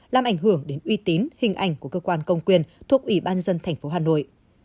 làm ảnh hưởng đến uy tín hình ảnh của cơ quan công quyền thuộc ủy ban dân thành phố hà nội